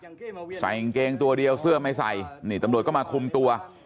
ใส่กางเกงตัวเดียวเสื้อไม่ใส่นี่ตำรวจก็มาคุมตัว